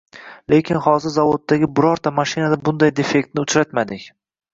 Lekin hozir zavoddagi birorta mashinada bunday defektni uchratmadik.